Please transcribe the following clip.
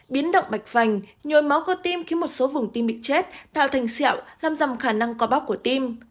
biến động bạch vành nhồi máu cơ tim khiến một số vùng tim bị chết tạo thành xẹo làm rằm khả năng co bóc của tim